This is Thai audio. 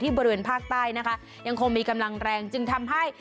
บริเวณภาคใต้นะคะยังคงมีกำลังแรงจึงทำให้